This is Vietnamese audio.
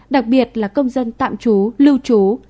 đặc biệt là công dân tạm trú lưu trú